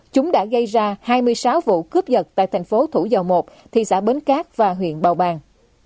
chúng đã gây ra hai mươi sáu vụ cướp giật tại thành phố thủ dầu một thị xã bến cát và huyện bào bàng